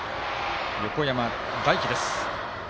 横山大樹です。